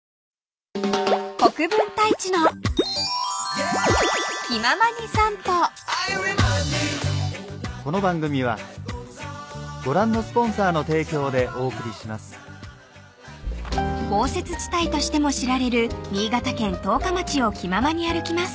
現在はぬくぬくの部屋で［豪雪地帯としても知られる新潟県十日町を気ままに歩きます］